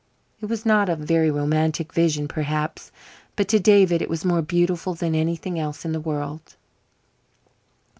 It was not a very romantic vision, perhaps, but to David it was more beautiful than anything else in the world.